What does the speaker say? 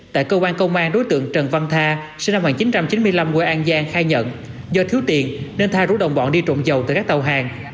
tại cơ quan công an đối tượng trần văn tha sinh năm một nghìn chín trăm chín mươi năm quê an giang khai nhận do thiếu tiền nên tha rủ đồng bọn đi trộm dầu từ các tàu hàng